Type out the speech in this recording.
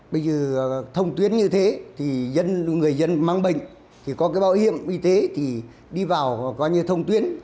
bây giờ thông tuyến như thế thì người dân mang bệnh thì có cái bảo hiểm y tế thì đi vào coi như thông tuyến